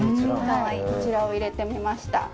こちらを入れてみました。